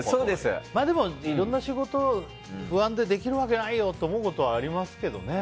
でも、いろんな仕事不安でできるわけないよって思うことはありますけどね。